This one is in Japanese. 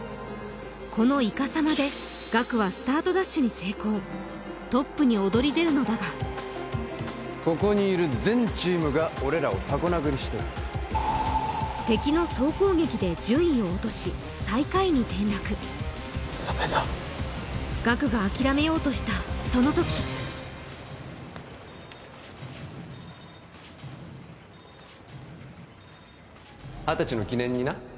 このイカサマでガクはスタートダッシュに成功トップに躍り出るのだがここにいる全チームが俺らをタコ殴りしてる敵の総攻撃で順位を落としダメだガクが諦めようとしたその時二十歳の記念にな